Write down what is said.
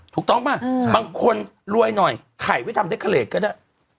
ถูกต้องป่ะบางคนรวยหน่อยไข่ไว้ทำเทคเลสก็ได้